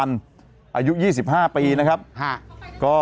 เออเออเออเออ